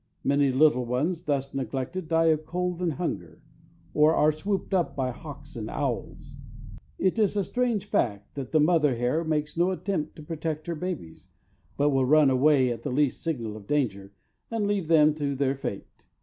Many little ones, thus neglected, die of cold and hunger, or are swooped up by hawks and owls. It is a strange fact that the mother hare makes no attempt to protect her babies, but will run away at the least signal of danger, and leave them to their fate.